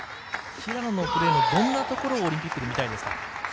平野のプレーのどんなところをオリンピックで見たいですか？